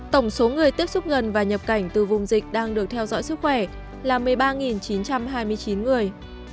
tổng số người tiếp xúc gần và nhập cảnh từ vùng dịch đang được theo dõi sức khỏe là một mươi ba chín trăm hai mươi chín người